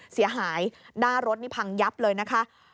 เสียหายหน้ารถนี่พังยับเลยนะคะ